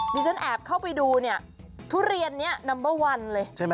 ฉันแอบเข้าไปดูเนี่ยทุเรียนนี้นัมเบอร์วันเลยใช่ไหม